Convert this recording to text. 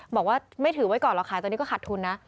บอกว่าไม่ถือไว้ก่อนหรอกค่ะตอนนี้ก็ขาดทุนนะ